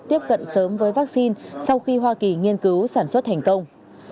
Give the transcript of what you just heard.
tiếp cận sớm với vaccine sau khi hoa kỳ nghiên cứu sản xuất thành công